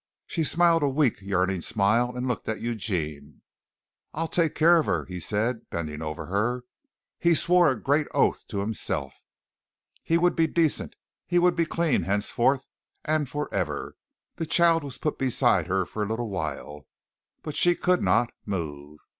She smiled a weak, yearning smile and looked at Eugene. "I'll take care of her," he said, bending over her. He swore a great oath to himself. He would be decent he would be clean henceforth and for ever. The child was put beside her for a little while, but she could not move.